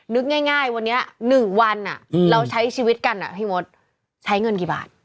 นึกง่ายวันนี้๑วันเราใช้ชีวิตกันพี่มดใช้เงินกี่บาท